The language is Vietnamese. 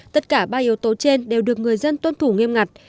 tất cả ba yếu tố trên đều được người dân tuân thủ nghiêm ngặt